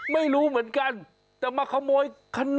ไม่รู้เหมือนกันแต่มาขโมยขนม